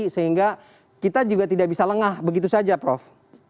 sehingga kita juga tidak bisa lengah begitu saja prof